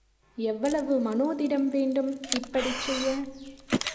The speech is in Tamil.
எவ்வளவு மனோதிடம் வேண்டும் இப்படிச் செய்ய?